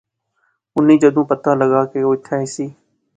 انیں جدوں پتہ لغا کہ او ایتھیں ایسی